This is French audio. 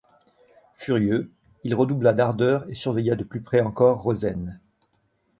Furieux, il redoubla d'ardeur et surveilla de plus près encore Rozaine.